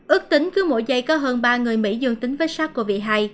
ước tính cứ mỗi giây có hơn ba người mỹ dương tính với sars cov hai